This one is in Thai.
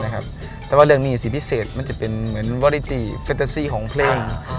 ซะมาเรื่องหนีสี่พิเศษจะเป็นรายการฟตัสสีของเพลง